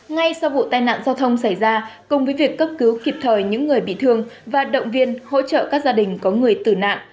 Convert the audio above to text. ngay sau vụ tai nạn giao thông xảy ra cùng với việc cấp cứu kịp thời những người bị thương và động viên hỗ trợ các gia đình có người tử nạn